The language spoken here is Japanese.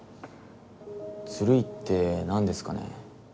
ずるいって何ですかね。